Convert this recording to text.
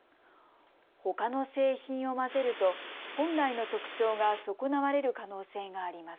ほかの製品を混ぜると本来の特長が損なわれる可能性があります。